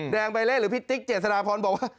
แดงใบเล่หรือพี่ติ๊กเจษฎาพรบอกว่า